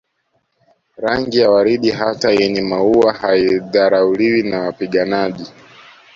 Rangi ya waridi hata yenye maua haidharauliwi na wapiganaji